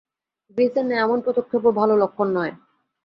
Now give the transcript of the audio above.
গ্রীসের নেয়া এমন পদক্ষেপও ভালো লক্ষণ নয়।